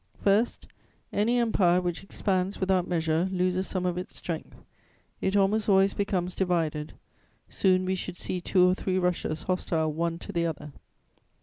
"First, any empire which expands without measure loses some of its strength; it almost always becomes divided; soon we should see two or three Russias hostile one to the other.